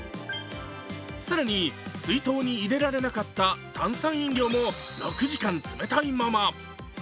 更に、水筒に入れられなかった炭酸飲料も６時間、冷たいまま。